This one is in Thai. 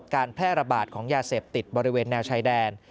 การแพร่ระบาดของยาเสพติดบริเวณแนวชายแดน